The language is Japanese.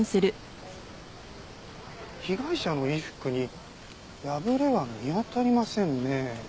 被害者の衣服に破れは見当たりませんね。